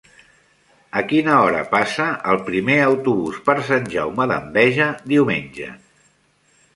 A quina hora passa el primer autobús per Sant Jaume d'Enveja diumenge?